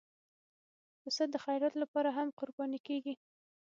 پسه د خیرات لپاره هم قرباني کېږي.